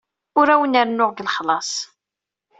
Ur awent-rennuɣ deg lexlaṣ.